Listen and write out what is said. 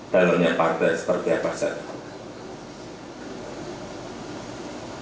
dalamnya partai seperti apa saya dengar